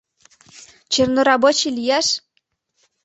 Чернорабочий лияш?